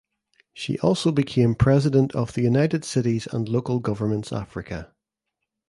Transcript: She also became President of United Cities and Local Governments Africa.